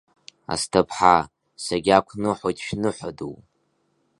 Асҭыԥҳа, сагьақәныҳәоит шәныҳәа ду!